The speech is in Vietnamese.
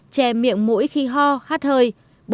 ba chè miệng mũi khi ho hát hơi